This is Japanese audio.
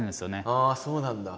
ああそうなんだ！